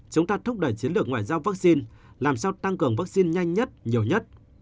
chúng ta thúc đẩy chiến lược ngoại giao vắc xin làm sao tăng cường vắc xin nhanh nhất nhiều nhất